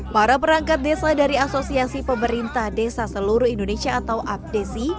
para perangkat desa dari asosiasi pemerintah desa seluruh indonesia atau apdesi